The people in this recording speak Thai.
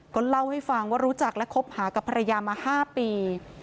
ก็เล่าให้ฟังว่ารู้จักและคบหากับภรรยามา๕ปี